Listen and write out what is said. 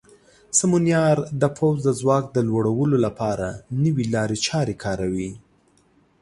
سمونیار د پوځ د ځواک د لوړولو لپاره نوې لارې چارې کاروي.